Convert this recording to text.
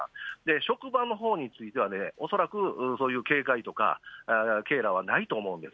職場のほうについては、恐らくそういう警戒とか、警らはないと思うんです。